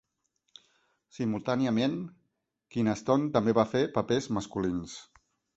Simultàniament, Kynaston també va fer papers masculins.